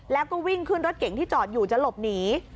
แล้วก็วิ่งขึ้นรถเก่งที่จอดอยู่จะหลบหนี